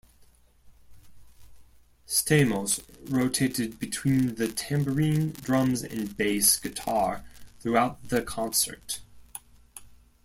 Stamos rotated between the tambourine, drums, and bass guitar throughout the concert.